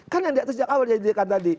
kan yang diatus jakarta dijadikan tadi